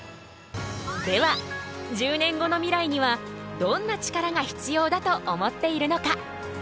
では１０年後のミライにはどんなチカラが必要だと思っているのか？